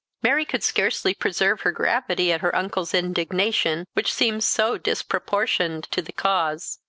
Mary could scarcely preserve her gravity at her uncle's indignation, which seemed so disproportioned to the cause.